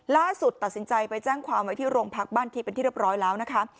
ล่าสุดตัดสินใจไปแจ้งความไว้ที่โรงพักบ้านที่เป็นที่เรียบร้อยแล้วนะคะ